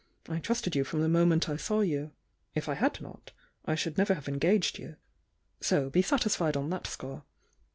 I trusted you from the moment I saw you. If T had not, I should never have engaged you. So be satisfied on that score.